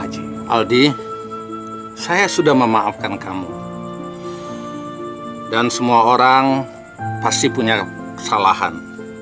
aldi saya sudah memaafkan kamu dan semua orang pasti punya kesalahan